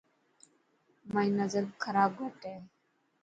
مائي نظر خراب گھٽ هي.